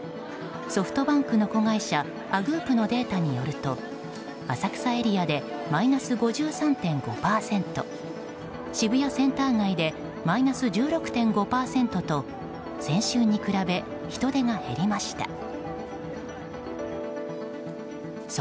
ソフトバンクの子会社Ａｇｏｏｐのデータによると浅草エリアでマイナス５３．５％渋谷センター街でマイナス１６．５％と先週に比べ人出が減りました。